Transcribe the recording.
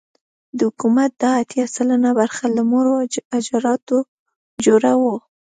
د حکومت دا اتيا سلنه برخه له مړو حجراتو جوړه وه.